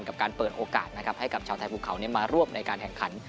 กับการเปิดโอกาสนะครับให้กับชาวไทยภูเขามาร่วมในการแข่งขัน